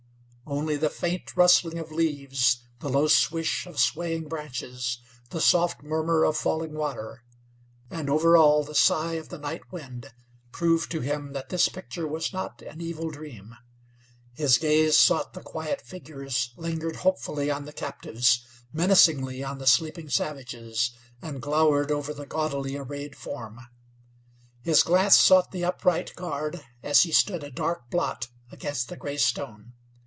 Only the faint rustling of leaves, the low swish of swaying branches, the soft murmur of falling water, and over all the sigh of the night wind, proved to him that this picture was not an evil dream. His gaze sought the quiet figures, lingered hopefully on the captives, menacingly on the sleeping savages, and glowered over the gaudily arrayed form. His glance sought the upright guard, as he stood a dark blot against the gray stone.